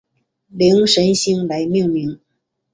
灵神星来命名。